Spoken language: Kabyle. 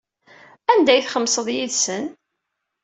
Anda ay txemmseḍ yid-sen?